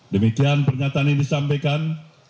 demikian pernyataan ini disampaikan